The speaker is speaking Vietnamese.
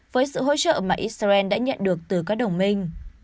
với sự hỗ trợ mà israel đã nhận được từ các đồng minh